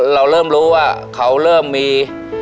เราเริ่มรู้ว่าเขาเริ่มมี